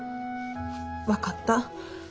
分かった。